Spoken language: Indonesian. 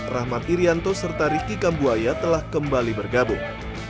rahmat irianto serta riki kambuaya telah kembali bergabung